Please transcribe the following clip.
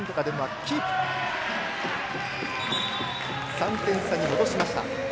３点差に戻しました。